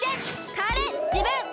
かわれじぶん！